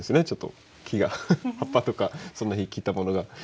ちょっと木が葉っぱとかその日切ったものが。